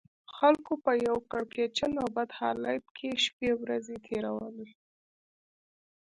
خلکو په یو کړکېچن او بد حالت کې شپې او ورځې تېرولې.